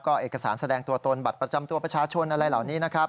ก็เอกสารแสดงตัวตนบัตรประจำตัวประชาชนอะไรเหล่านี้นะครับ